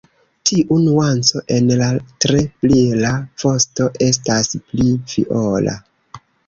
Tiu nuanco en la tre brila vosto estas pli viola.